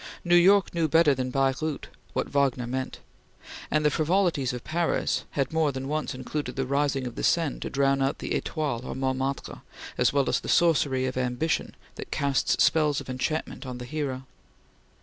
New York knew better than Baireuth what Wagner meant, and the frivolities of Paris had more than once included the rising of the Seine to drown out the Etoile or Montmartre, as well as the sorcery of ambition that casts spells of enchantment on the hero.